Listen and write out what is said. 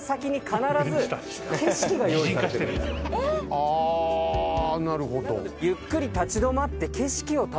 あなるほど。